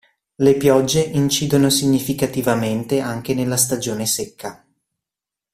Le piogge incidono significativamente anche nella stagione secca.